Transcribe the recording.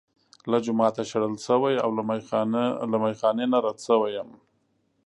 له جوماته شړل شوی او له میخا نه رد شوی یم.